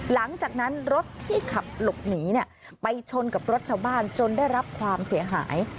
หลังจากนั้นรถที่ขับหลบหนีไปชนกับรถชาวบ้านจนได้รับความเสียหาย